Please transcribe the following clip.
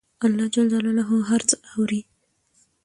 الله ج هر څه اوري